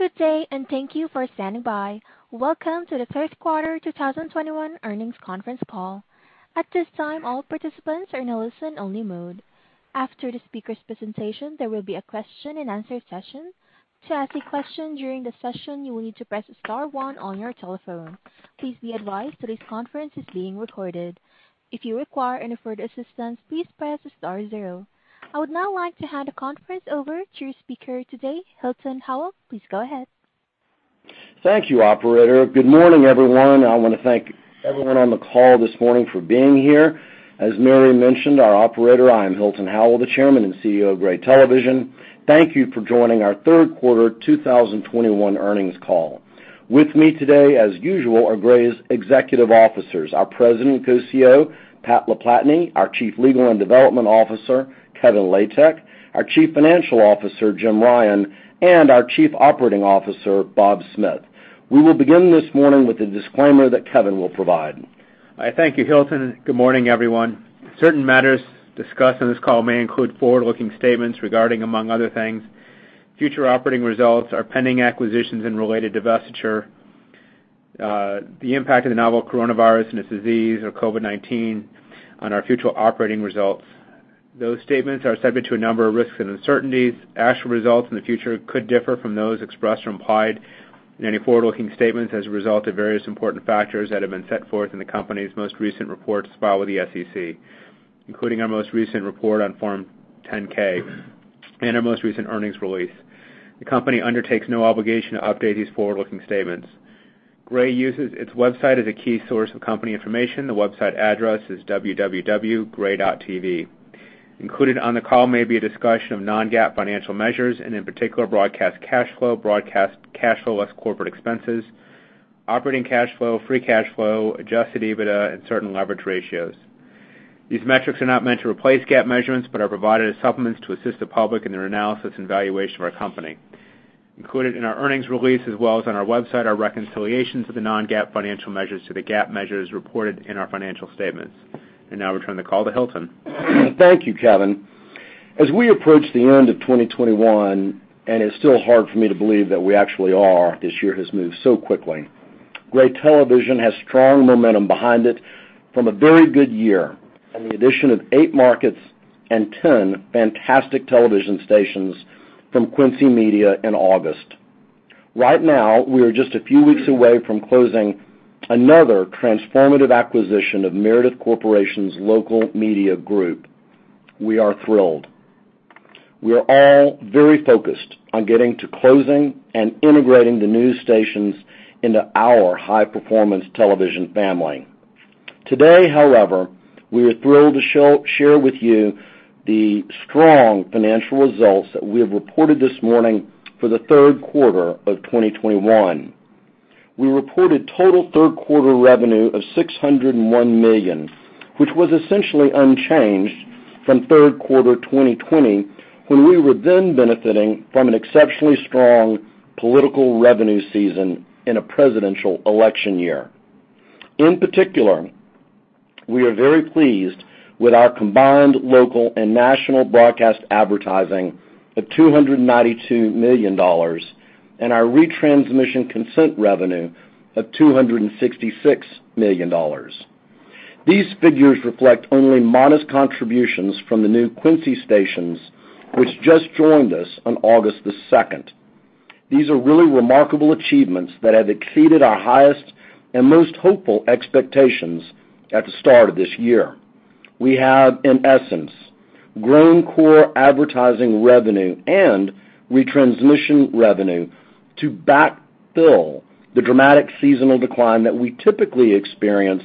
Good day, and thank you for standing by. Welcome to the third quarter 2021 earnings conference call. At this time, all participants are in a listen-only mode. After the speaker's presentation, there will be a question-and-answer session. To ask a question during the session, you will need to press star one on your telephone. Please be advised that this conference is being recorded. If you require any further assistance, please press star zero. I would now like to hand the conference over to your speaker today, Hilton Howell. Please go ahead. Thank you, operator. Good morning, everyone. I wanna thank everyone on the call this morning for being here. As Mary mentioned, our operator, I am Hilton Howell, the Chairman and CEO of Gray Television. Thank you for joining our third quarter 2021 earnings call. With me today, as usual, are Gray's executive officers: our President and Co-CEO, Pat LaPlatney, our Chief Legal and Development Officer, Kevin Latek, our Chief Financial Officer, Jim Ryan, and our Chief Operating Officer, Bob Smith. We will begin this morning with a disclaimer that Kevin will provide. I thank you, Hilton. Good morning, everyone. Certain matters discussed on this call may include forward-looking statements regarding, among other things, future operating results, our pending acquisitions and related divestiture, the impact of the novel coronavirus and its disease, or COVID-19, on our future operating results. Those statements are subject to a number of risks and uncertainties. Actual results in the future could differ from those expressed or implied in any forward-looking statements as a result of various important factors that have been set forth in the company's most recent reports filed with the SEC, including our most recent report on Form 10-K and our most recent earnings release. The company undertakes no obligation to update these forward-looking statements. Gray uses its website as a key source of company information. The website address is www.gray.tv. Included on the call may be a discussion of non-GAAP financial measures, and in particular, broadcast cash flow, broadcast cash flow less corporate expenses, operating cash flow, free cash flow, adjusted EBITDA, and certain leverage ratios. These metrics are not meant to replace GAAP measurements but are provided as supplements to assist the public in their analysis and valuation of our company. Included in our earnings release as well as on our website are reconciliations of the non-GAAP financial measures to the GAAP measures reported in our financial statements. Now we turn the call to Hilton. Thank you, Kevin. As we approach the end of 2021, and it's still hard for me to believe that we actually are, this year has moved so quickly, Gray Television has strong momentum behind it from a very good year, and the addition of 8 markets and 10 fantastic television stations from Quincy Media in August. Right now, we are just a few weeks away from closing another transformative acquisition of Meredith Corporation's local media group. We are thrilled. We are all very focused on getting to closing and integrating the news stations into our high-performance television family. Today, however, we are thrilled to share with you the strong financial results that we have reported this morning for the third quarter of 2021. We reported total third quarter revenue of $601 million, which was essentially unchanged from third quarter 2020, when we were then benefiting from an exceptionally strong political revenue season in a presidential election year. In particular, we are very pleased with our combined local and national broadcast advertising of $292 million and our retransmission consent revenue of $266 million. These figures reflect only modest contributions from the new Quincy stations, which just joined us on August the 2nd. These are really remarkable achievements that have exceeded our highest and most hopeful expectations at the start of this year. We have, in essence, grown core advertising revenue and retransmission revenue to backfill the dramatic seasonal decline that we typically experience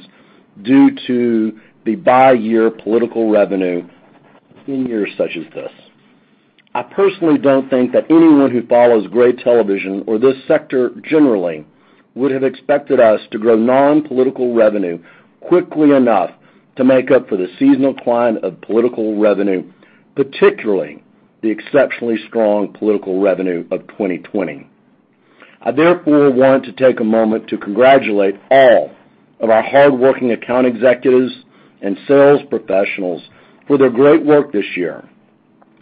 due to the biennial political revenue in years such as this. I personally don't think that anyone who follows Gray Television or this sector generally would have expected us to grow non-political revenue quickly enough to make up for the seasonal decline of political revenue, particularly the exceptionally strong political revenue of 2020. I therefore want to take a moment to congratulate all of our hardworking account executives and sales professionals for their great work this year,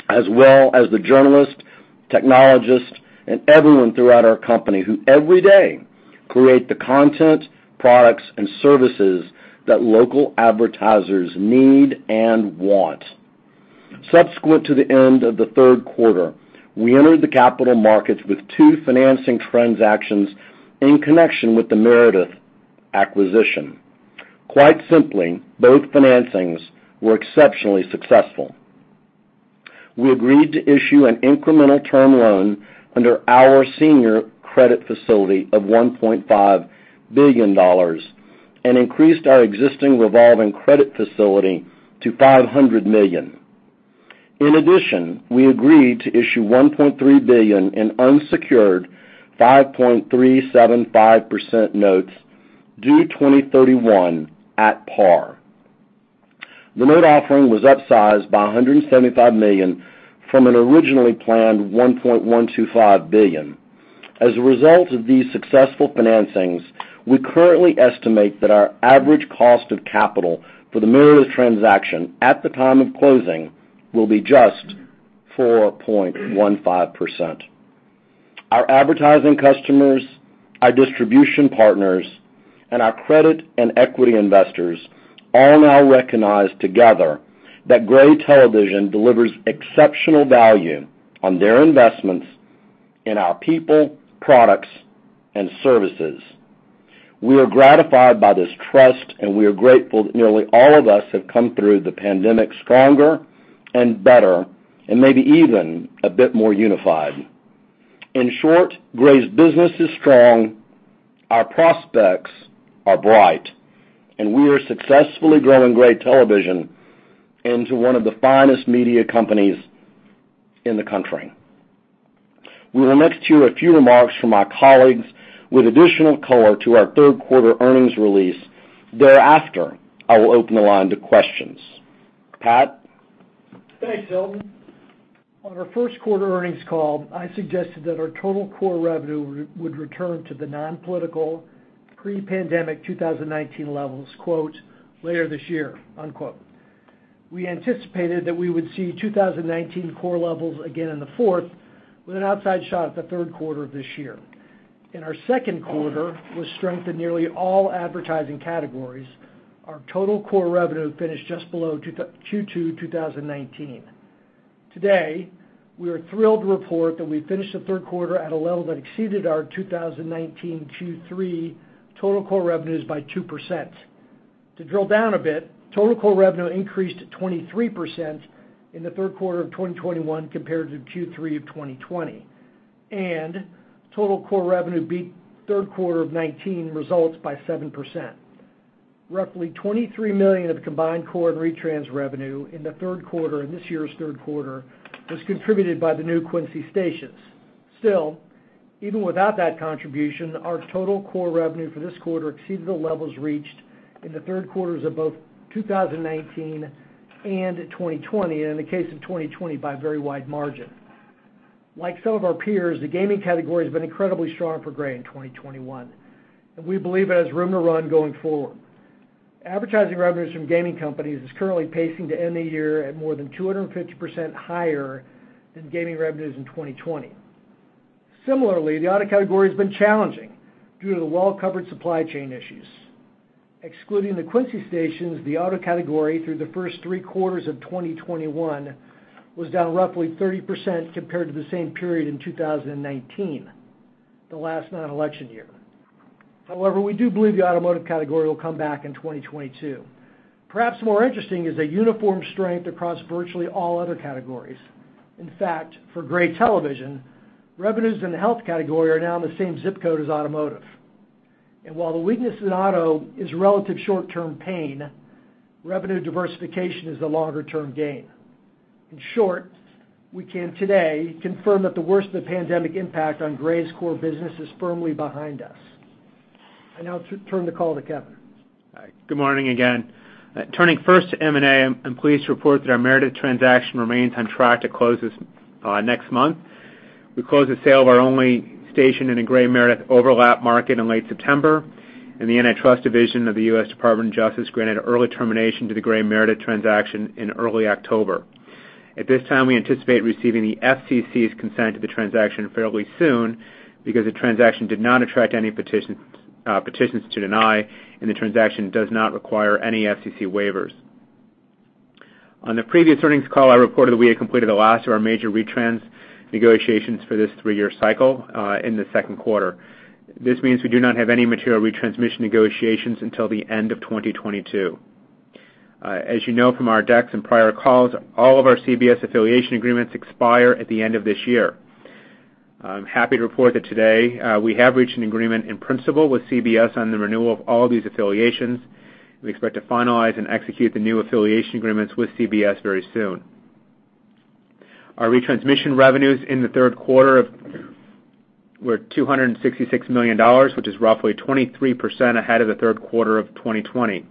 as well as the journalists, technologists, and everyone throughout our company who, every day, create the content, products, and services that local advertisers need and want. Subsequent to the end of the third quarter, we entered the capital markets with two financing transactions in connection with the Meredith acquisition. Quite simply, both financings were exceptionally successful. We agreed to issue an incremental term loan under our senior credit facility of $1.5 billion and increased our existing revolving credit facility to $500 million. In addition, we agreed to issue $1.3 billion in unsecured 5.375% notes due 2031 at par. The note offering was upsized by $175 million from an originally planned $1.125 billion. As a result of these successful financings, we currently estimate that our average cost of capital for the Meredith transaction at the time of closing will be just 4.15%. Our advertising customers, our distribution partners, and our credit and equity investors all now recognize together that Gray Television delivers exceptional value on their investments in our people, products, and services. We are gratified by this trust, and we are grateful that nearly all of us have come through the pandemic stronger and better and maybe even a bit more unified. In short, Gray's business is strong, our prospects are bright, and we are successfully growing Gray Television into one of the finest media companies in the country. We will next hear a few remarks from my colleagues with additional color to our third quarter earnings release. Thereafter, I will open the line to questions. Pat? Thanks, Hilton. On our first quarter earnings call, I suggested that our total core revenue would return to the non-political pre-pandemic 2019 levels, quote, later this year, unquote. We anticipated that we would see 2019 core levels again in the fourth, with an outside shot at the third quarter of this year. In our second quarter, with strength in nearly all advertising categories, our total core revenue finished just below Q2 2019. Today, we are thrilled to report that we finished the third quarter at a level that exceeded our 2019 Q3 total core revenues by 2%. To drill down a bit, total core revenue increased 23% in the third quarter of 2021 compared to Q3 of 2020, and total core revenue beat third quarter of 2019 results by 7%. Roughly $23 million of combined core and retrans revenue in the third quarter in this year's third quarter was contributed by the new Quincy stations. Still, even without that contribution, our total core revenue for this quarter exceeded the levels reached in the third quarters of both 2019 and 2020, and in the case of 2020, by a very wide margin. Like some of our peers, the gaming category has been incredibly strong for Gray in 2021, and we believe it has room to run going forward. Advertising revenues from gaming companies is currently pacing to end the year at more than 250% higher than gaming revenues in 2020. Similarly, the auto category has been challenging due to the well-covered supply chain issues. Excluding the Quincy stations, the auto category through the first three quarters of 2021 was down roughly 30% compared to the same period in 2019, the last non-election year. However, we do believe the automotive category will come back in 2022. Perhaps more interesting is a uniform strength across virtually all other categories. In fact, for Gray Television, revenues in the health category are now in the same zip code as automotive. While the weakness in auto is relative short-term pain, revenue diversification is the longer-term gain. In short, we can today confirm that the worst of the pandemic impact on Gray's core business is firmly behind us. I now turn the call to Kevin. Hi. Good morning again. Turning first to M&A, I'm pleased to report that our Meredith transaction remains on track to close this next month. We closed the sale of our only station in the Gray-Meredith overlap market in late September, and the Antitrust Division of the U.S. Department of Justice granted early termination to the Gray-Meredith transaction in early October. At this time, we anticipate receiving the FCC's consent to the transaction fairly soon because the transaction did not attract any petition, petitions to deny, and the transaction does not require any FCC waivers. On the previous earnings call, I reported that we had completed the last of our major retrans negotiations for this three-year cycle in the second quarter. This means we do not have any material retransmission negotiations until the end of 2022. As you know from our decks and prior calls, all of our CBS affiliation agreements expire at the end of this year. I'm happy to report that today, we have reached an agreement in principle with CBS on the renewal of all these affiliations. We expect to finalize and execute the new affiliation agreements with CBS very soon. Our retransmission revenues in the third quarter of 2021 were $266 million, which is roughly 23% ahead of the third quarter of 2020.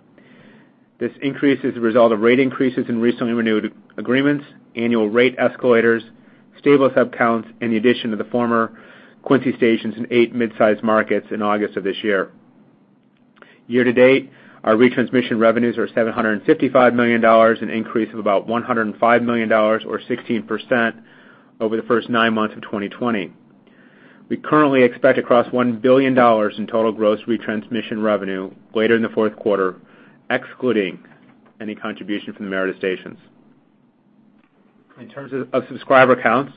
This increase is a result of rate increases in recently renewed agreements, annual rate escalators, stable sub counts, and the addition of the former Quincy stations in eight mid-sized markets in August of this year. Year to date, our retransmission revenues are $755 million, an increase of about $105 million or 16% over the first nine months of 2020. We currently expect to cross $1 billion in total gross retransmission revenue later in the fourth quarter, excluding any contribution from the Meredith stations. In terms of subscriber counts,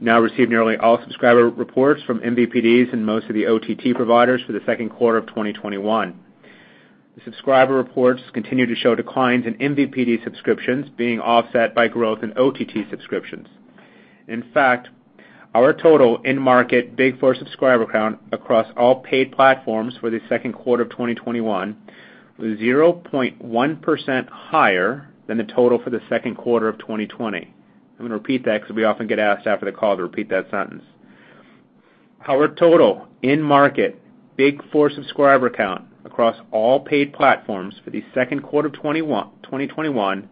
we now receive nearly all subscriber reports from MVPDs and most of the OTT providers for the second quarter of 2021. The subscriber reports continue to show declines in MVPD subscriptions being offset by growth in OTT subscriptions. In fact, our total end market Big Four subscriber count across all paid platforms for the second quarter of 2021 was 0.1% higher than the total for the second quarter of 2020. I'm gonna repeat that 'cause we often get asked after the call to repeat that sentence. Our total end market Big Four subscriber count across all paid platforms for the second quarter of 2021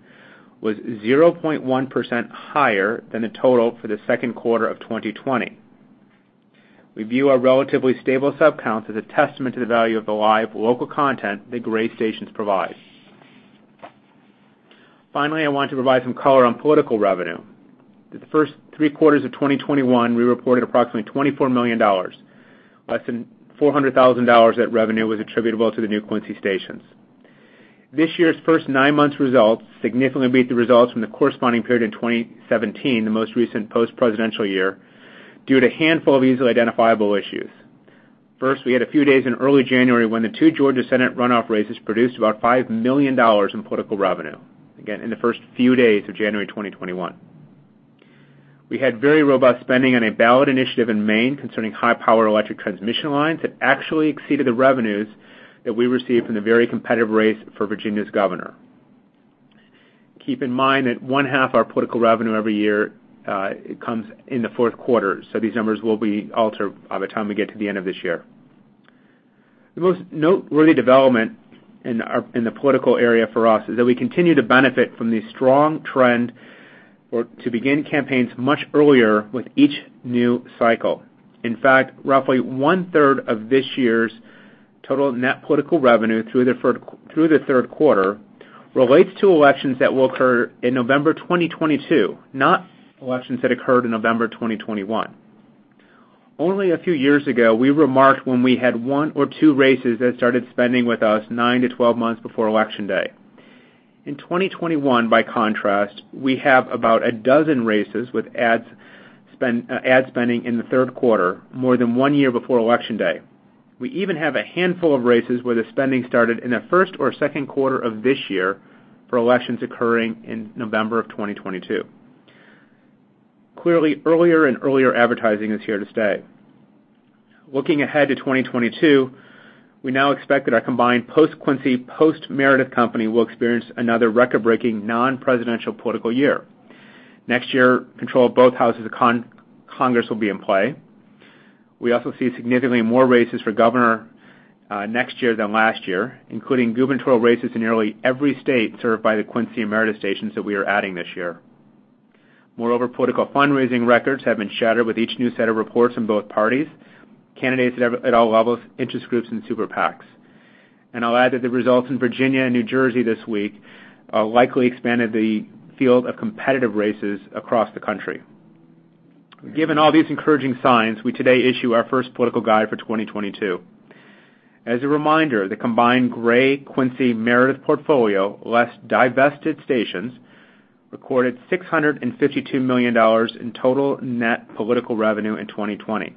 was 0.1% higher than the total for the second quarter of 2020. We view our relatively stable sub counts as a testament to the value of the live local content that Gray stations provide. Finally, I want to provide some color on political revenue. The first three quarters of 2021, we reported approximately $24 million. Less than $400,000 of that revenue was attributable to the new Quincy stations. This year's first nine months results significantly beat the results from the corresponding period in 2017, the most recent post-presidential year, due to a handful of easily identifiable issues. First, we had a few days in early January when the two Georgia Senate runoff races produced about $5 million in political revenue, again in the first few days of January 2021. We had very robust spending on a ballot initiative in Maine concerning high-power electric transmission lines that actually exceeded the revenues that we received from the very competitive race for Virginia's governor. Keep in mind that one half of our political revenue every year, it comes in the fourth quarter, so these numbers will be altered by the time we get to the end of this year. The most noteworthy development in the political area for us is that we continue to benefit from the strong trend to begin campaigns much earlier with each new cycle. In fact, roughly one-third of this year's total net political revenue through the third quarter relates to elections that will occur in November 2022, not elections that occurred in November 2021. Only a few years ago, we remarked when we had one or two races that started spending with us nine to 12 months before election day. In 2021, by contrast, we have about a dozen races with ad spending in the third quarter, more than one year before election day. We even have a handful of races where the spending started in the first or second quarter of this year for elections occurring in November 2022. Clearly, earlier and earlier advertising is here to stay. Looking ahead to 2022, we now expect that our combined post-Quincy, post-Meredith company will experience another record-breaking non-presidential political year. Next year, control of both houses of Congress will be in play. We also see significantly more races for governor next year than last year, including gubernatorial races in nearly every state served by the Quincy and Meredith stations that we are adding this year. Moreover, political fundraising records have been shattered with each new set of reports from both parties, candidates at all levels, interest groups and super PACs. I'll add that the results in Virginia and New Jersey this week likely expanded the field of competitive races across the country. Given all these encouraging signs, we today issue our first political guide for 2022. As a reminder, the combined Gray, Quincy, Meredith portfolio, less divested stations, recorded $652 million in total net political revenue in 2020.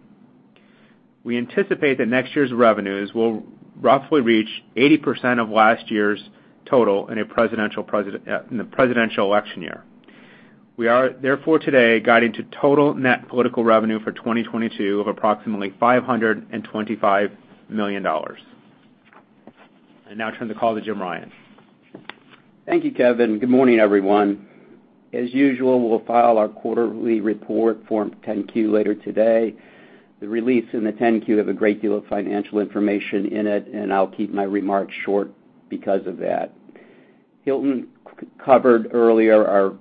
We anticipate that next year's revenues will roughly reach 80% of last year's total in the presidential election year. We are therefore today guiding to total net political revenue for 2022 of approximately $525 million. I now turn the call to Jim Ryan. Thank you, Kevin. Good morning, everyone. As usual, we'll file our quarterly report Form 10-Q later today. The release and the 10-Q have a great deal of financial information in it, and I'll keep my remarks short because of that. Hilton covered earlier our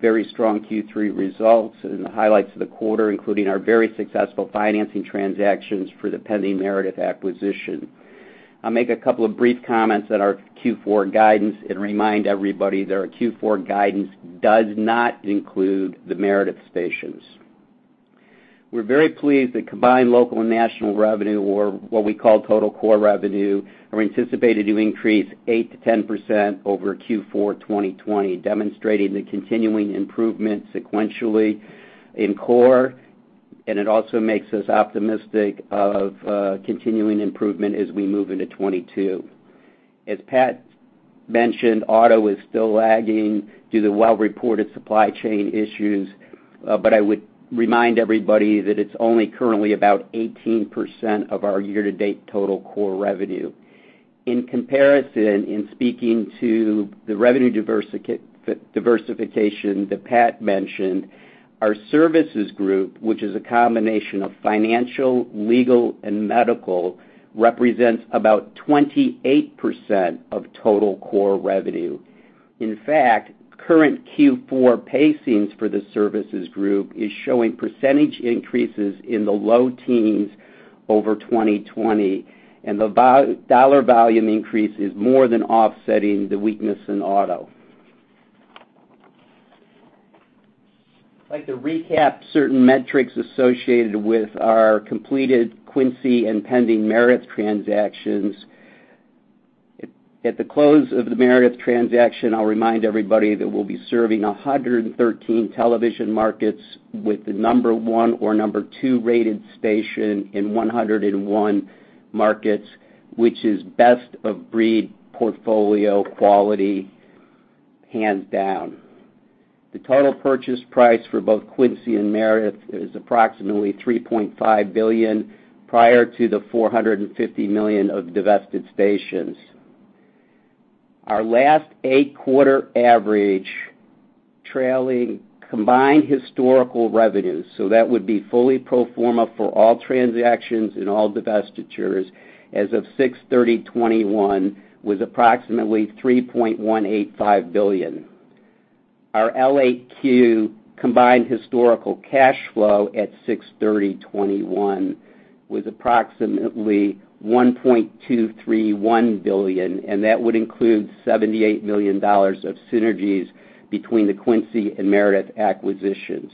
very strong Q3 results and the highlights of the quarter, including our very successful financing transactions for the pending Meredith acquisition. I'll make a couple of brief comments on our Q4 guidance and remind everybody that our Q4 guidance does not include the Meredith stations. We're very pleased that combined local and national revenue or what we call total core revenue are anticipated to increase 8%-10% over Q4 2020, demonstrating the continuing improvement sequentially in core, and it also makes us optimistic of continuing improvement as we move into 2022. As Pat mentioned, auto is still lagging due to well-reported supply chain issues. I would remind everybody that it's only currently about 18% of our year-to-date total core revenue. In comparison, in speaking to the revenue diversification that Pat mentioned, our services group, which is a combination of financial, legal, and medical, represents about 28% of total core revenue. In fact, current Q4 pacings for the services group is showing percentage increases in the low teens over 2020, and the dollar volume increase is more than offsetting the weakness in auto. I'd like to recap certain metrics associated with our completed Quincy and pending Meredith transactions. At the close of the Meredith transaction, I'll remind everybody that we'll be serving 113 television markets with the number one or number two-rated station in 101 markets, which is best-of-breed portfolio quality, hands down. The total purchase price for both Quincy and Meredith is approximately $3.5 billion, prior to the $450 million of divested stations. Our last eight quarter average trailing combined historical revenues, so that would be fully pro forma for all transactions and all divestitures as of 6/30/2021, was approximately $3.185 billion. Our L8Q combined historical cash flow at 6/30/2021 was approximately $1.231 billion, and that would include $78 million of synergies between the Quincy and Meredith acquisitions.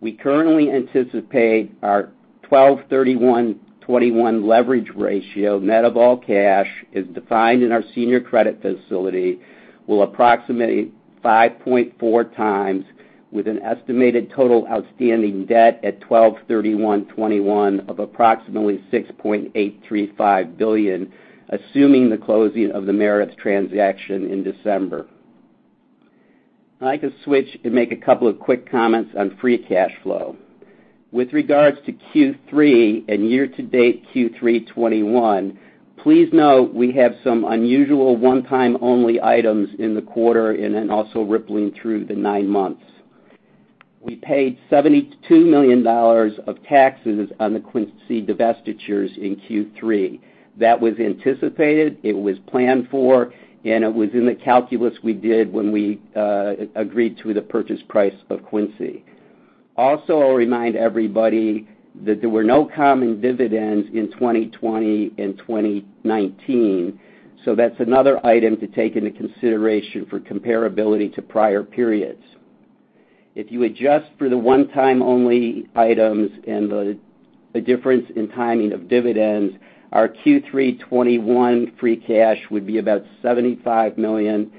We currently anticipate our 12/31/2021 leverage ratio, net of all cash, as defined in our senior credit facility, will approximately 5.4 times with an estimated total outstanding debt at 12/31/2021 of approximately $6.835 billion, assuming the closing of the Meredith transaction in December. I'd like to switch and make a couple of quick comments on free cash flow. With regards to Q3 and year-to-date Q3 2021, please note we have some unusual one-time-only items in the quarter and then also rippling through the nine months. We paid $72 million of taxes on the Quincy divestitures in Q3. That was anticipated, it was planned for, and it was in the calculus we did when we agreed to the purchase price of Quincy. Also, I'll remind everybody that there were no common dividends in 2020 and 2019, so that's another item to take into consideration for comparability to prior periods. If you adjust for the one-time-only items and the difference in timing of dividends, our Q3 '21 free cash would be about $75 million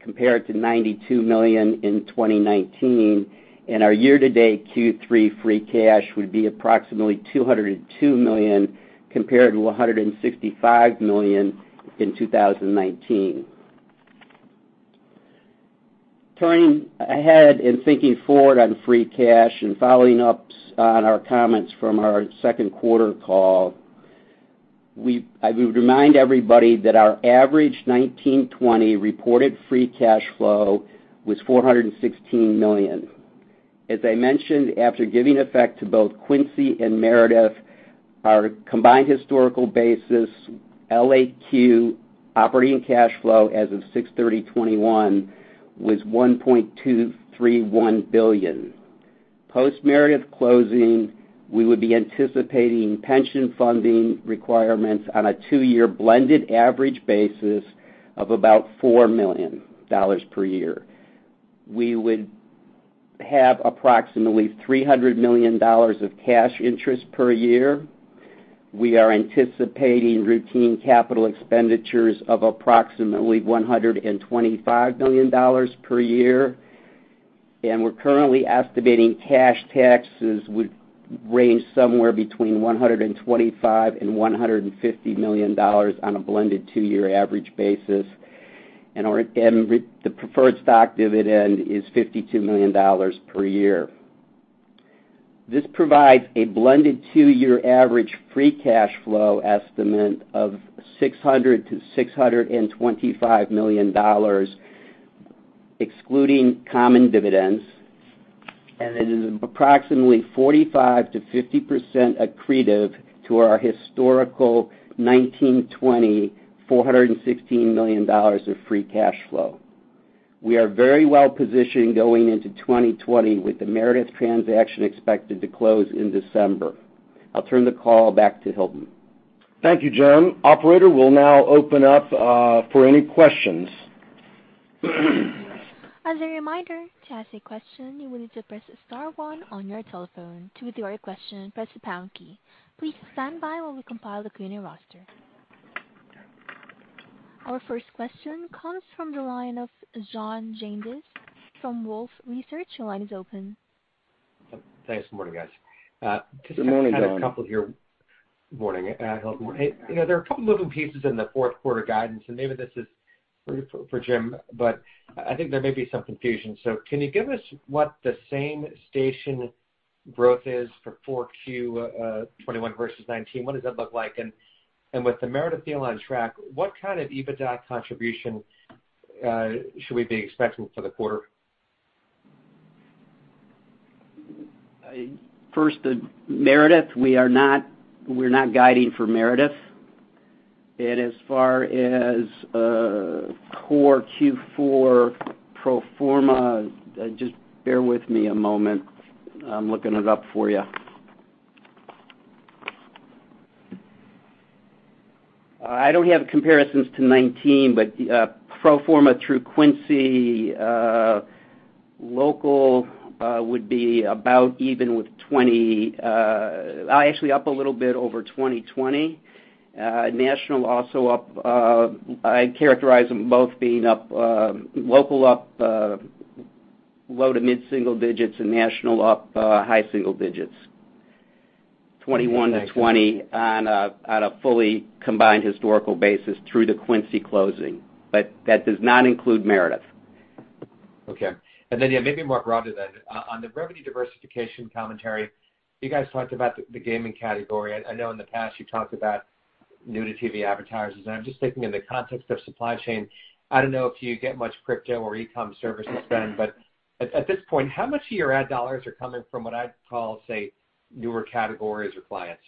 compared to $92 million in 2019, and our year-to-date Q3 free cash would be approximately $202 million compared to $165 million in 2019. Turning ahead and thinking forward on free cash and following up on our comments from our second quarter call, I would remind everybody that our average 2019-20 reported free cash flow was $416 million. As I mentioned, after giving effect to both Quincy and Meredith, our combined historical basis L8Q operating cash flow as of 6/30/2021 was $1.231 billion. Post-Meredith closing, we would be anticipating pension funding requirements on a two-year blended average basis of about $4 million per year. We would have approximately $300 million of cash interest per year. We are anticipating routine capital expenditures of approximately $125 million per year. We're currently estimating cash taxes would range somewhere between $125 million and $150 million on a blended two-year average basis. Our preferred stock dividend is $52 million per year. This provides a blended two-year average free cash flow estimate of $600 million-$625 million, excluding common dividends, and it is approximately 45%-50% accretive to our historical $192.416 million of free cash flow. We are very well positioned going into 2020 with the Meredith transaction expected to close in December. I'll turn the call back to Hilton. Thank you, Jim. Operator, we'll now open up for any questions. As a reminder, to ask a question, you will need to press star one on your telephone. To withdraw your question, press the pound key. Please stand by while we compile the queuing roster. Our first question comes from the line of John Janedis from Wolfe Research. Your line is open. Thanks. Good morning, guys. Good morning, John. Just had a couple here. Morning, Hilton. Hey, you know, there are a couple moving pieces in the fourth quarter guidance, and maybe this is for Jim, but I think there may be some confusion. Can you give us what the same-station growth is for Q4 2021 versus 2019? What does that look like? And with the Meredith deal on track, what kind of EBITDA contribution should we be expecting for the quarter? First, the Meredith, we're not guiding for Meredith. As far as core Q4 pro forma, just bear with me a moment. I'm looking it up for you. I don't have comparisons to 2019, but pro forma through Quincy, local would be about even with 20, actually up a little bit over 2020. National also up. I'd characterize them both being up, local up low- to mid-single digits and national up high single digits. 2021 to 2020 on a fully combined historical basis through the Quincy closing. But that does not include Meredith. Okay. Yeah, maybe more broadly, on the revenue diversification commentary, you guys talked about the gaming category. I know in the past you talked about new-to-TV advertisers. I'm just thinking in the context of supply chain, I don't know if you get much crypto or e-com service spend, but at this point, how much of your ad dollars are coming from what I'd call, say, newer categories or clients?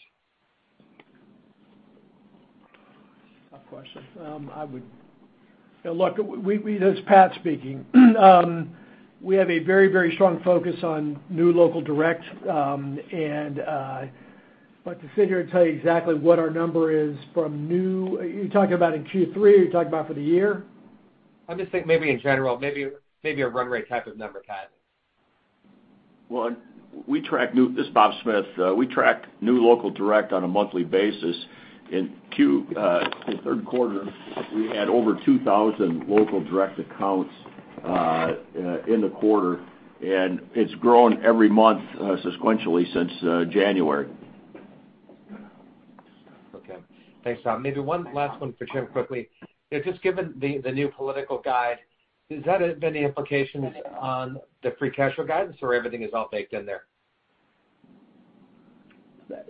Look, this is Pat LaPlatney speaking. We have a very strong focus on new local direct, and but to sit here and tell you exactly what our number is from new. Are you talking about in Q3, or are you talking about for the year? I'm just thinking maybe in general, maybe a run rate type of number kind of. Well, this is Bob Smith. We track new local direct on a monthly basis. In the third quarter, we had over 2,000 local direct accounts in the quarter, and it's grown every month sequentially since January. Okay. Thanks, Bob. Maybe one last one for Jim quickly. Yeah, just given the new political guidance, has that had any implications on the free cash flow guidance, or everything is all baked in there?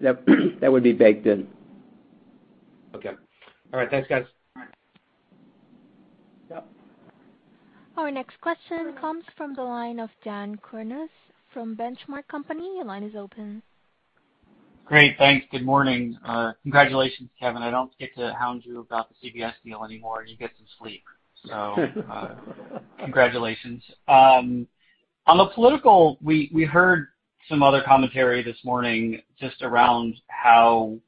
That would be baked in. Okay. All right. Thanks, guys. All right. Yeah. Our next question comes from the line of Dan Kurnos from Benchmark Company. Your line is open. Great, thanks. Good morning. Congratulations, Kevin. I don't get to hound you about the CBS deal anymore, and you get some sleep. Congratulations. On the political, we heard some other commentary this morning just around how,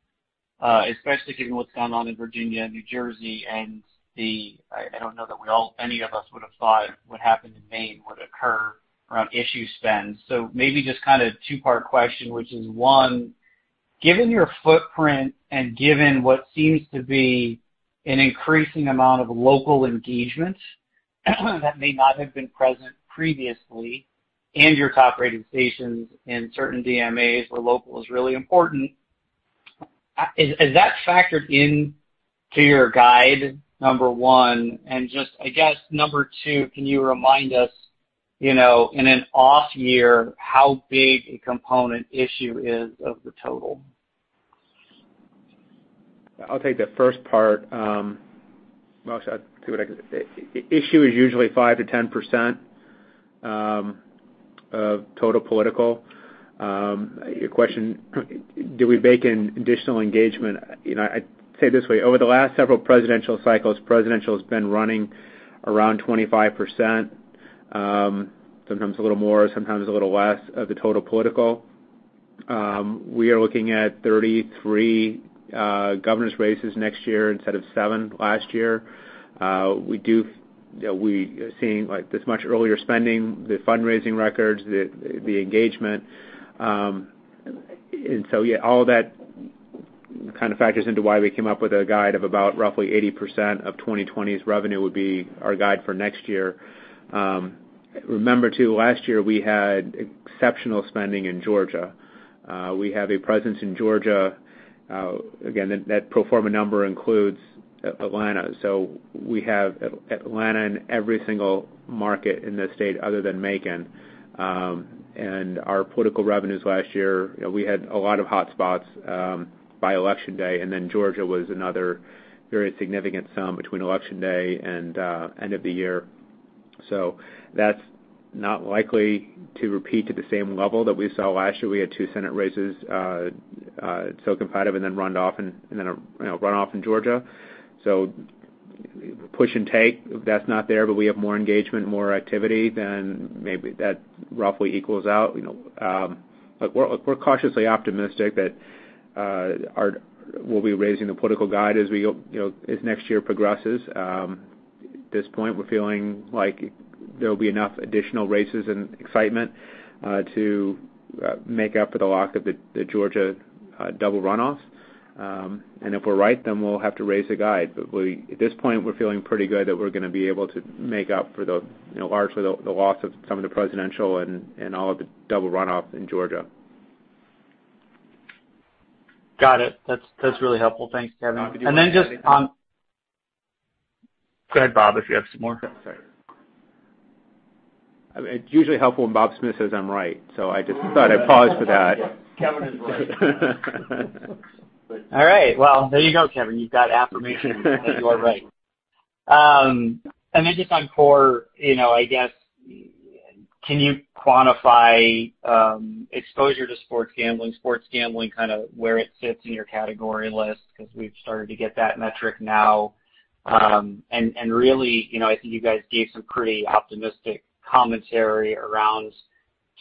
especially given what's gone on in Virginia and New Jersey. I don't know that any of us would have thought what happened in Maine would occur around issue spend. Maybe just kind of two-part question, which is, one, given your footprint and given what seems to be an increasing amount of local engagement that may not have been present previously and your top-rated stations in certain DMAs where local is really important, is that factored into your guide, number one? Just, I guess, number two, can you remind us, you know, in an off year, how big a component issue is of the total? I'll take the first part. Well, I'll see what I can. The issue is usually 5%-10% of total political. Your question, do we bake in additional engagement? You know, I'd say it this way. Over the last several presidential cycles, presidential has been running around 25%, sometimes a little more, sometimes a little less, of the total political. We are looking at 33 governor's races next year instead of seven last year. We do, you know, we are seeing, like, this much earlier spending, the fundraising records, the engagement. Yeah, all that kind of factors into why we came up with a guide of about roughly 80% of 2020's revenue would be our guide for next year. Remember, too, last year, we had exceptional spending in Georgia. We have a presence in Georgia. Again, that pro forma number includes Atlanta. We have Atlanta in every single market in this state other than Macon. Our political revenues last year, you know, we had a lot of hot spots by election day, and then Georgia was another very significant sum between election day and end of the year. That's not likely to repeat to the same level that we saw last year. We had two Senate races so competitive and then a runoff in Georgia. Push and take, that's not there. We have more engagement, more activity, then maybe that roughly equals out, you know. We're cautiously optimistic that we'll be raising the political guide as we, you know, as next year progresses. At this point, we're feeling like there'll be enough additional races and excitement to make up for the loss of the Georgia double runoffs. If we're right, then we'll have to raise the guide. We at this point, we're feeling pretty good that we're gonna be able to make up for the, you know, largely the loss of some of the presidential and all of the double runoff in Georgia. Got it. That's really helpful. Thanks, Kevin. Then just on- Go ahead, Bob, if you have some more. Sorry. It's usually helpful when Bob Smith says I'm right, so I just thought I'd pause for that. Kevin is right. All right. Well, there you go, Kevin. You've got affirmation that you are right. Then just on core, you know, I guess, can you quantify exposure to sports gambling, kind of where it sits in your category list? Because we've started to get that metric now. Really, you know, I think you guys gave some pretty optimistic commentary around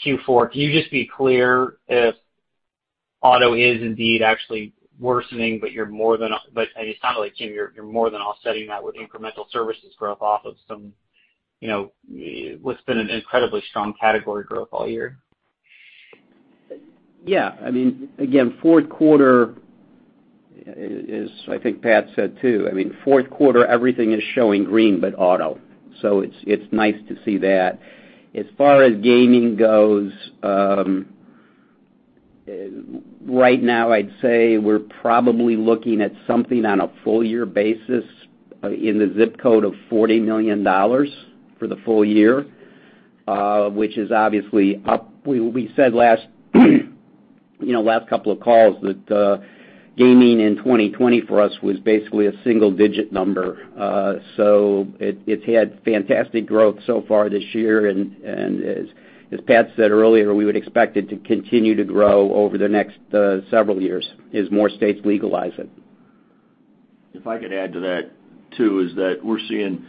Q4. Can you just be clear if auto is indeed actually worsening, but you are more than offsetting that, and it sounded like, Jim, you are more than offsetting that with incremental services growth off of some, you know, what's been an incredibly strong category growth all year. Yeah. I mean, again, fourth quarter is, I think Pat said, too, I mean, fourth quarter, everything is showing green but auto. So it's nice to see that. As far as gaming goes, right now I'd say we're probably looking at something on a full year basis, in the ZIP code of $40 million for the full year, which is obviously up. We said last, you know, last couple of calls that, gaming in 2020 for us was basically a single-digit number. So it's had fantastic growth so far this year. As Pat said earlier, we would expect it to continue to grow over the next several years as more states legalize it. If I could add to that too, is that we're seeing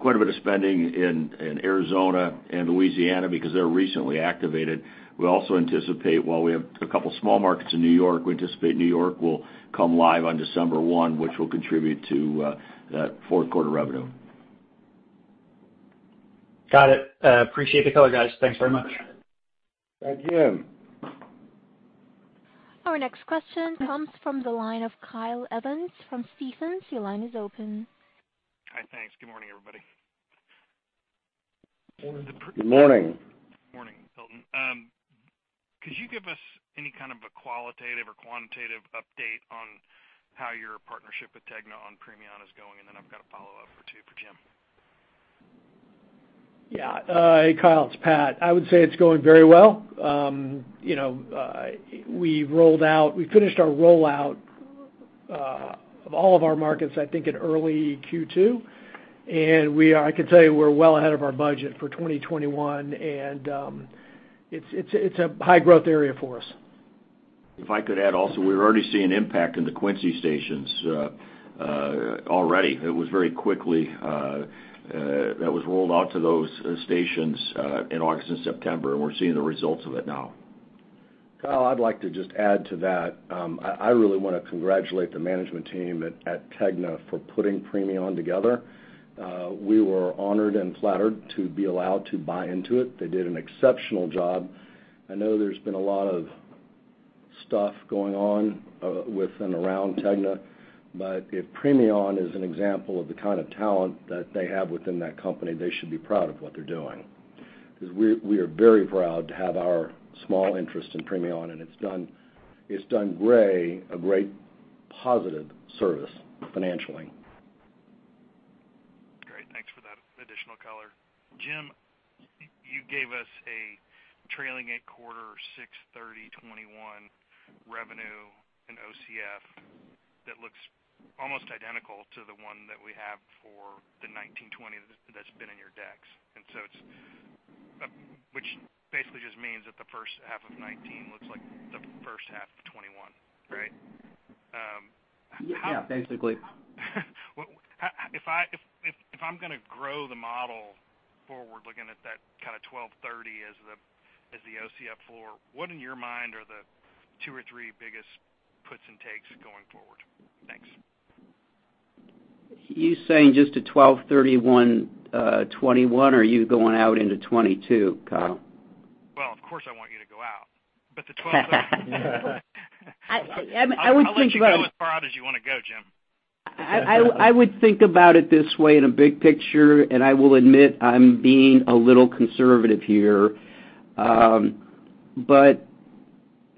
quite a bit of spending in Arizona and Louisiana because they're recently activated. We also anticipate while we have a couple of small markets in New York, we anticipate New York will come live on December 1, which will contribute to that fourth quarter revenue. Got it. Appreciate the color, guys. Thanks very much. Thank you. Our next question comes from the line of Kyle Evans from Stephens. Your line is open. Hi. Thanks. Good morning, everybody. Good morning. Good morning, Hilton. Could you give us any kind of a qualitative or quantitative update on how your partnership with TEGNA on Premion is going? I've got a follow-up or two for Jim. Yeah. Kyle, it's Pat. I would say it's going very well. You know, we finished our rollout of all of our markets, I think in early Q2. I can tell you we're well ahead of our budget for 2021 and, it's a high growth area for us. If I could add also, we're already seeing impact in the Quincy stations. It was very quickly that was rolled out to those stations in August and September, and we're seeing the results of it now. Kyle, I'd like to just add to that. I really wanna congratulate the management team at TEGNA for putting Premion together. We were honored and flattered to be allowed to buy into it. They did an exceptional job. I know there's been a lot of stuff going on with and around TEGNA, but if Premion is an example of the kind of talent that they have within that company, they should be proud of what they're doing. Because we are very proud to have our small interest in Premion, and it's done Gray a great positive service financially. Great. Thanks for that additional color. Jim, you gave us a trailing eight-quarter 6/30/2021 revenue and OCF that looks almost identical to the one that we have for the 2019-20 that's been in your decks. It's, which basically just means that the first half of 2019 looks like the first half of 2021, right? How- Yeah, basically. Well, if I'm gonna grow the model forward, looking at that kinda 12.30 as the OCF floor, what in your mind are the two or three biggest puts and takes going forward? Thanks. you saying just to 12/31/2021, or are you going out into 2022, Kyle? Well, of course, I want you to go out. The 12:30- I would think about. I'll let you go as far out as you wanna go, Jim. I would think about it this way in a big picture, and I will admit I'm being a little conservative here.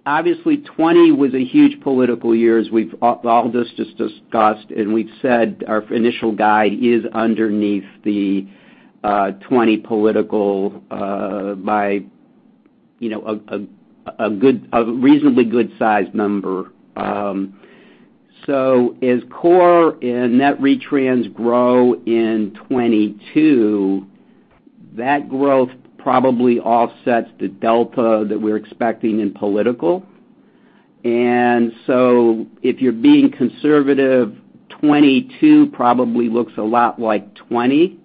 Obviously, 2020 was a huge political year, as we've all just discussed, and we've said our initial guide is underneath the 2020 political by, you know, a good a reasonably good-sized number. As core and net retrans grow in 2022, that growth probably offsets the delta that we're expecting in political. If you're being conservative, 2022 probably looks a lot like 2020,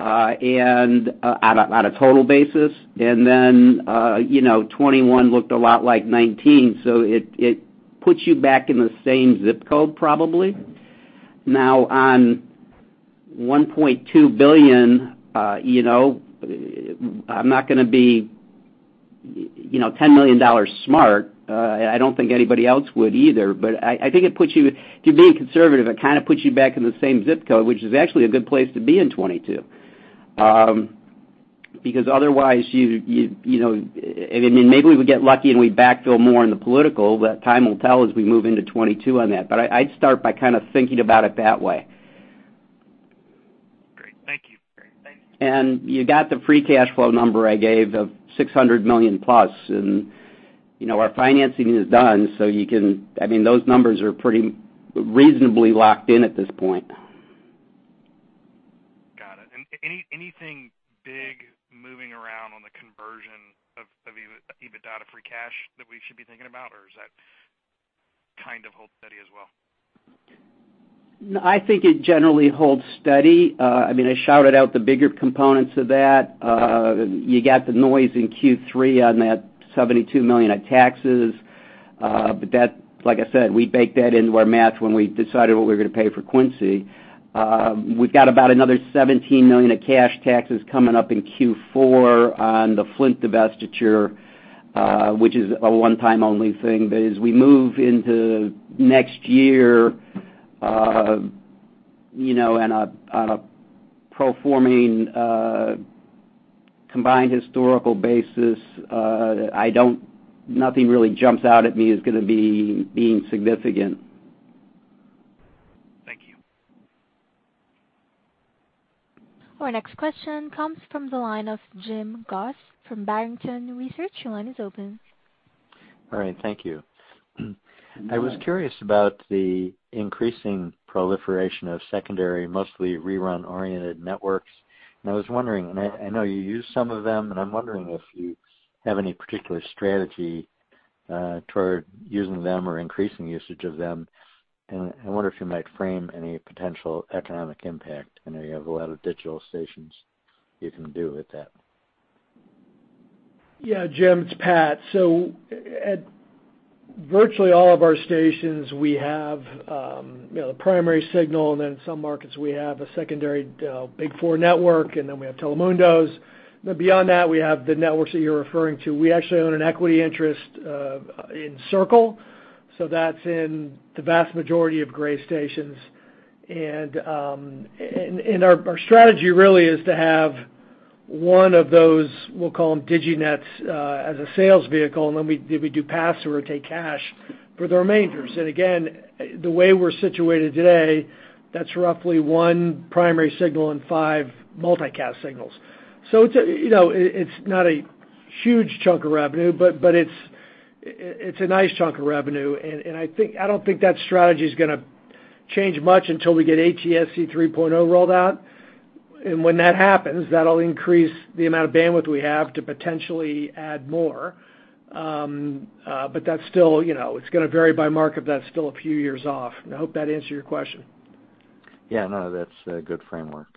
and on a total basis. You know, 2021 looked a lot like 2019, so it puts you back in the same ZIP code, probably. Now, on $1.2 billion, you know, I'm not gonna be, you know, $10 million smart. I don't think anybody else would either. I think it puts you. If you're being conservative, it kinda puts you back in the same ZIP Code, which is actually a good place to be in 2022. Because otherwise, you know. Then maybe we would get lucky and we backfill more in the political, but time will tell as we move into 2022 on that. I'd start by kinda thinking about it that way. Great. Thank you. You got the free cash flow number I gave of $600 million+. You know, our financing is done, so you can, I mean, those numbers are pretty reasonably locked in at this point. Got it. Anything big moving around on the conversion of EBITDA to free cash that we should be thinking about, or is that kind of hold steady as well? I think it generally holds steady. I mean, I shouted out the bigger components of that. You got the noise in Q3 on that $72 million of taxes. But that, like I said, we baked that into our math when we decided what we were gonna pay for Quincy. We've got about another $17 million of cash taxes coming up in Q4 on the Flint divestiture, which is a one-time only thing. As we move into next year, you know, on a pro forma combined historical basis, nothing really jumps out at me as being significant. Thank you. Our next question comes from the line of Jim Goss from Barrington Research. Your line is open. All right. Thank you. I was curious about the increasing proliferation of secondary, mostly rerun-oriented networks, and I was wondering. I know you use some of them, and I'm wondering if you have any particular strategy toward using them or increasing usage of them. I wonder if you might frame any potential economic impact. I know you have a lot of digital stations you can do with that. Yeah, Jim, it's Pat. At virtually all of our stations, we have you know the primary signal, and then in some markets we have a secondary Big Four network, and then we have Telemundo. Beyond that, we have the networks that you're referring to. We actually own an equity interest in Circle, so that's in the vast majority of Gray stations. Our strategy really is to have one of those, we'll call them diginets, as a sales vehicle, and then we do pass or take cash for the remainders. Again, the way we're situated today, that's roughly one primary signal and five multicast signals. It's you know it's not a huge chunk of revenue, but it's a nice chunk of revenue. I don't think that strategy's gonna change much until we get ATSC 3.0 rolled out. When that happens, that'll increase the amount of bandwidth we have to potentially add more. That's still, you know, it's gonna vary by market. That's still a few years off. I hope that answered your question. Yeah, no, that's a good framework.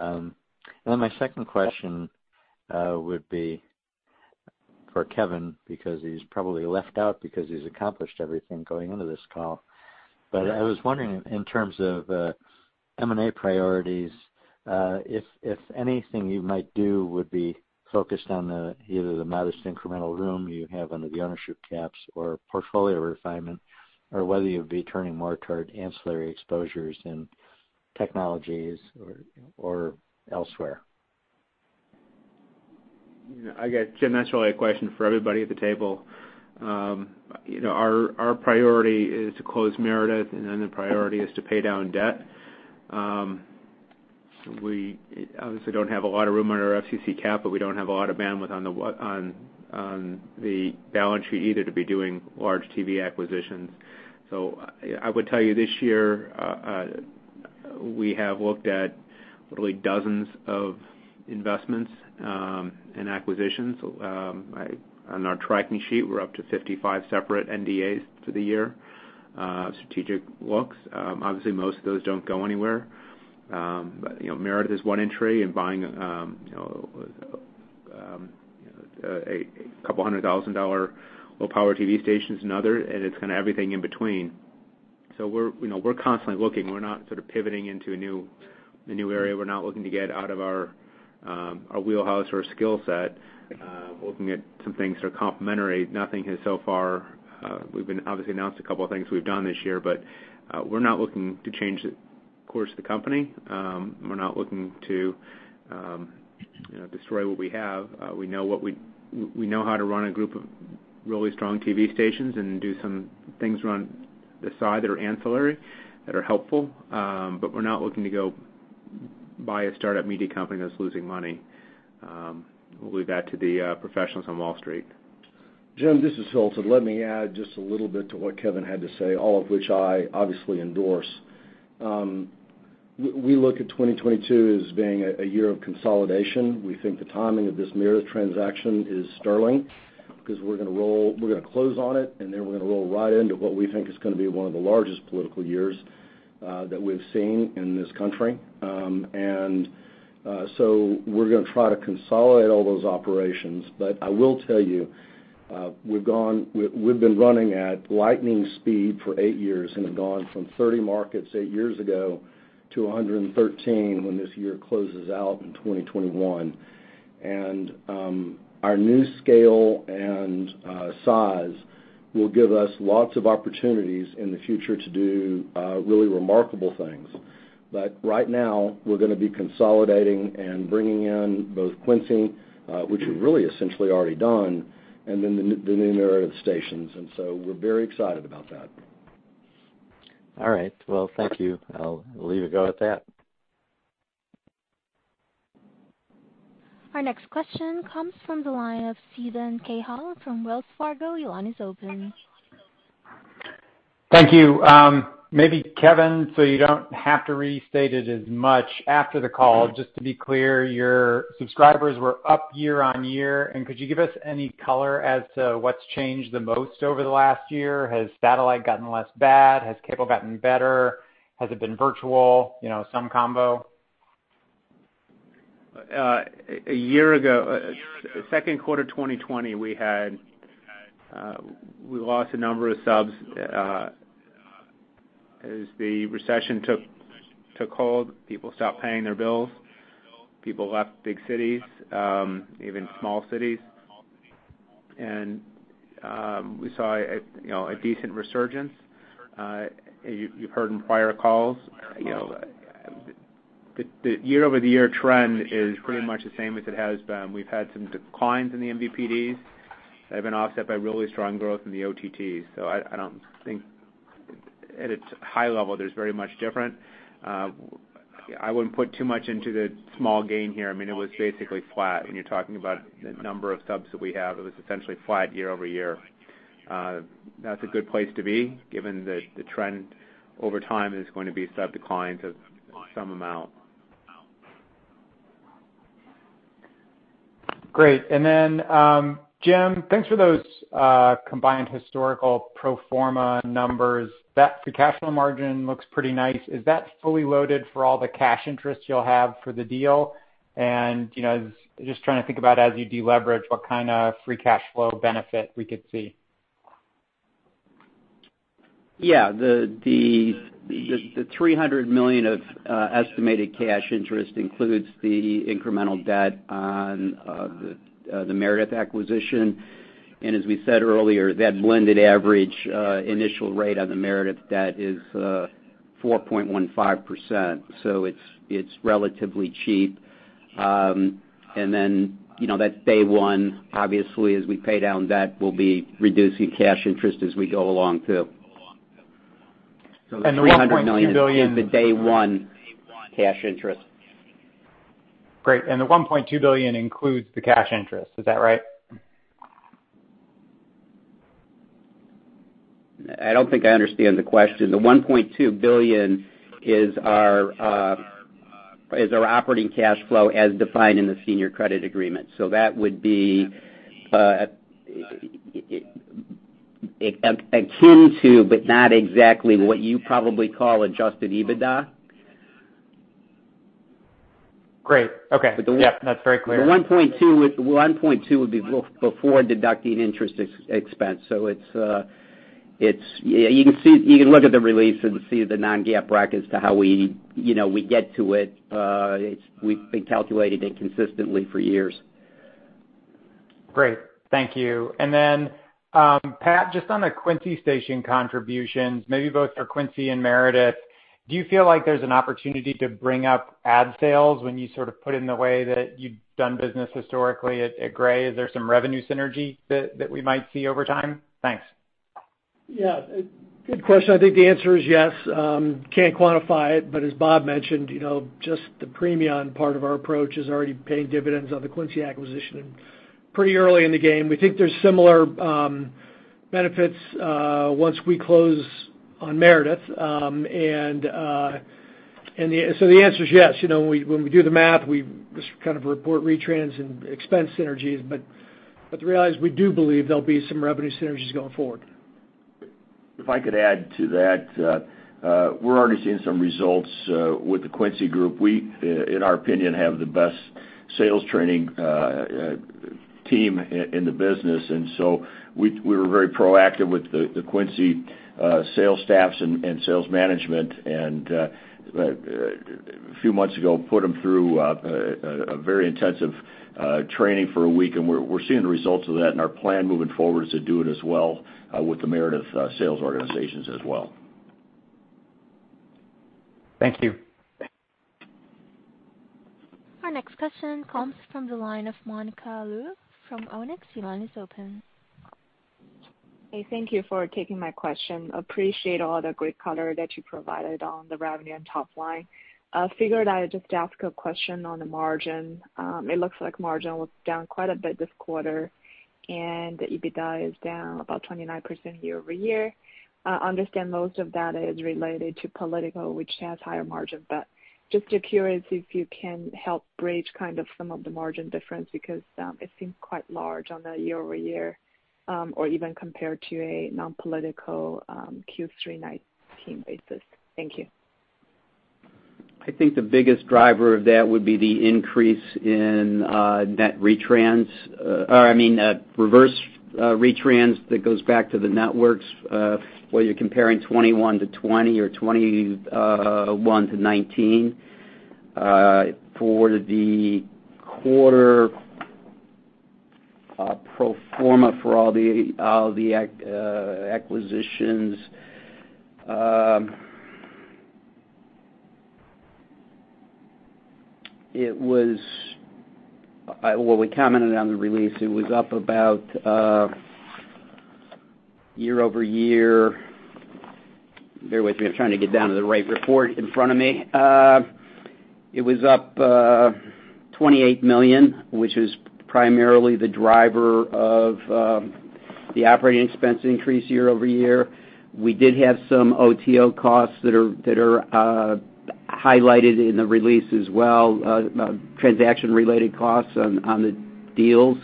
Then my second question would be for Kevin because he's probably left out because he's accomplished everything going into this call. I was wondering in terms of M&A priorities, if anything you might do would be focused on either the modest incremental room you have under the ownership caps or portfolio refinement, or whether you'd be turning more toward ancillary exposures and technologies or elsewhere. You know, I guess, Jim, that's really a question for everybody at the table. You know, our priority is to close Meredith, and then the priority is to pay down debt. We obviously don't have a lot of room on our FCC cap, but we don't have a lot of bandwidth on the balance sheet either to be doing large TV acquisitions. I would tell you this year, we have looked at literally dozens of investments and acquisitions. On our tracking sheet, we're up to 55 separate NDAs for the year, strategic looks. Obviously, most of those don't go anywhere. You know, Meredith is one entry, and buying a couple hundred thousand dollar low power TV station is another, and it's kind of everything in between. We're constantly looking. We're not sort of pivoting into a new area. We're not looking to get out of our wheelhouse or skill set, looking at some things that are complementary. Nothing has so far. We've obviously announced a couple of things we've done this year, but we're not looking to change the course of the company. We're not looking to destroy what we have. We know how to run a group of really strong TV stations and do some things around the side that are ancillary, that are helpful. We're not looking to go buy a startup media company that's losing money. We'll leave that to the professionals on Wall Street. Jim, this is Hilton. Let me add just a little bit to what Kevin had to say, all of which I obviously endorse. We look at 2022 as being a year of consolidation. We think the timing of this Meredith transaction is sterling because we're gonna close on it, and then we're gonna roll right into what we think is gonna be one of the largest political years that we've seen in this country. We're gonna try to consolidate all those operations. I will tell you, we've been running at lightning speed for eight years and have gone from 30 markets eight years ago to 113 when this year closes out in 2021. Our new scale and size will give us lots of opportunities in the future to do really remarkable things. Right now, we're gonna be consolidating and bringing in both Quincy, which is really essentially already done, and then the new Meredith stations. We're very excited about that. All right. Well, thank you. I'll let it go at that. Our next question comes from the line of Steven Cahall from Wells Fargo. Your line is open. Thank you. Maybe Kevin, so you don't have to restate it as much after the call, just to be clear, your subscribers were up year-over-year. Could you give us any color as to what's changed the most over the last year? Has satellite gotten less bad? Has cable gotten better? Has it been virtual? You know, some combo? A year ago, second quarter 2020, we lost a number of subs as the recession took hold, people stopped paying their bills. People left big cities, even small cities. We saw, you know, a decent resurgence. You've heard in prior calls, you know, the year-over-year trend is pretty much the same as it has been. We've had some declines in the MVPDs that have been offset by really strong growth in the OTTs. I don't think at its high level there's very much different. I wouldn't put too much into the small gain here. I mean, it was basically flat when you're talking about the number of subs that we have. It was essentially flat year-over-year. That's a good place to be given that the trend over time is going to be sub declines of some amount. Great. Jim, thanks for those combined historical pro forma numbers. That the cash flow margin looks pretty nice. Is that fully loaded for all the cash interest you'll have for the deal? You know, just trying to think about as you deleverage, what kinda free cash flow benefit we could see. Yeah. The $300 million of estimated cash interest includes the incremental debt on the Meredith acquisition. As we said earlier, that blended average initial rate on the Meredith debt is 4.15%, so it's relatively cheap. You know, that's day one. Obviously, as we pay down debt, we'll be reducing cash interest as we go along too. The $300 million is the day one cash interest. Great. The $1.2 billion includes the cash interest. Is that right? I don't think I understand the question. The $1.2 billion is our operating cash flow as defined in the senior credit agreement. That would be akin to, but not exactly what you probably call adjusted EBITDA. Great. Okay. The one Yeah, that's very clear. The $1.2 would be before deducting interest expense. You can look at the release and see the non-GAAP brackets to how we, you know, we get to it. We've been calculating it consistently for years. Great. Thank you. Pat, just on the Quincy station contributions, maybe both for Quincy and Meredith, do you feel like there's an opportunity to bring up ad sales when you sort of put in the way that you've done business historically at Gray? Is there some revenue synergy that we might see over time? Thanks. Yeah. Good question. I think the answer is yes. Can't quantify it, but as Bob mentioned, you know, just the Premion part of our approach is already paying dividends on the Quincy acquisition pretty early in the game. We think there's similar benefits once we close on Meredith. So the answer is yes. You know, when we do the math, we just kind of report retrans and expense synergies. But the reality is we do believe there'll be some revenue synergies going forward. If I could add to that, we're already seeing some results with the Quincy group. We, in our opinion, have the best sales training team in the business. We were very proactive with the Quincy sales staffs and sales management, and a few months ago, put them through a very intensive training for a week, and we're seeing the results of that. Our plan moving forward is to do it as well with the Meredith sales organizations as well. Thank you. Our next question comes from the line of Monica Liu from Onex. Your line is open. Hey, thank you for taking my question. I appreciate all the great color that you provided on the revenue and top line. I figured I'd just ask a question on the margin. It looks like margin was down quite a bit this quarter, and EBITDA is down about 29% year-over-year. I understand most of that is related to political, which has higher margin. Just curious if you can help bridge kind of some of the margin difference, because it seems quite large on the year-over-year, or even compared to a non-political Q3 2019 basis. Thank you. I think the biggest driver of that would be the increase in reverse comp that goes back to the networks, where you're comparing 2021 to 2020 or 2021 to 2019. For the quarter, pro forma for all the acquisitions, it was up about year-over-year. Bear with me. I'm trying to get down to the right report in front of me. It was up $28 million, which is primarily the driver of the operating expense increase year-over-year. We did have some OTO costs that are highlighted in the release as well, transaction-related costs on the deals,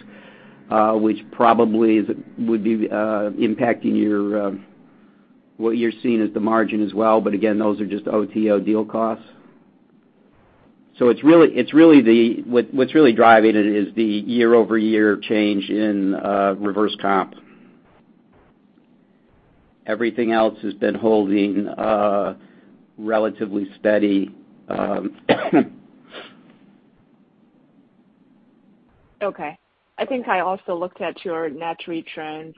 which probably would be impacting what you're seeing as the margin as well. Again, those are just OTO deal costs. What's really driving it is the year-over-year change in reverse comp. Everything else has been holding relatively steady. Okay. I think I also looked at your net retrans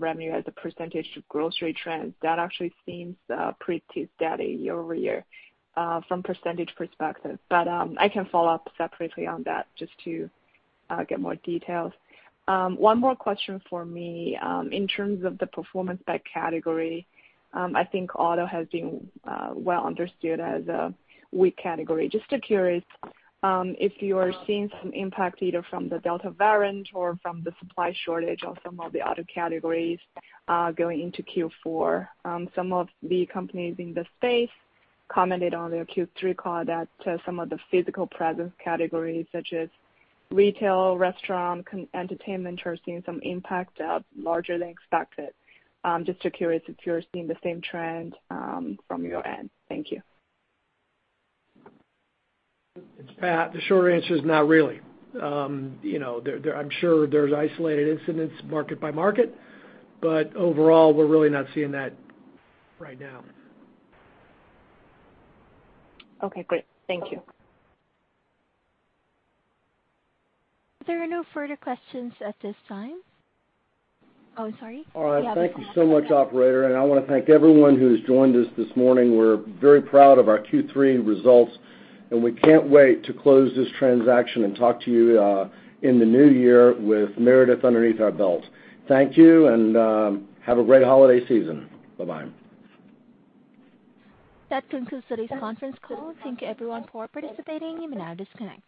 revenue as a percentage of gross retrans. That actually seems pretty steady year-over-year from percentage perspective. I can follow up separately on that just to get more details. One more question for me. In terms of the performance by category, I think auto has been well understood as a weak category. Just curious if you are seeing some impact either from the Delta variant or from the supply shortage on some of the auto categories going into Q4. Some of the companies in this space commented on their Q3 call that some of the physical presence categories, such as retail, restaurant, entertainment are seeing some impact larger than expected. Just curious if you're seeing the same trend from your end. Thank you. It's Pat. The short answer is not really. You know, I'm sure there's isolated incidents market by market, but overall, we're really not seeing that right now. Okay, great. Thank you. There are no further questions at this time. Oh, sorry. Yeah. All right. Thank you so much, operator. I wanna thank everyone who's joined us this morning. We're very proud of our Q3 results, and we can't wait to close this transaction and talk to you in the new year with Meredith underneath our belt. Thank you, have a great holiday season. Bye-bye. That concludes today's conference call. Thank you everyone for participating. You may now disconnect.